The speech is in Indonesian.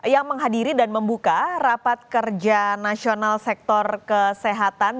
yang menghadiri dan membuka rapat kerja nasional sektor kesehatan